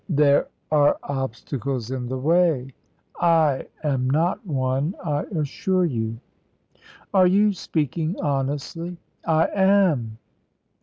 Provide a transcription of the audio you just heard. "There are obstacles in the way." "I am not one, I assure you." "Are you speaking honestly?" "I am!"